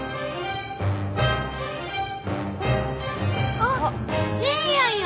あっ姉やんや！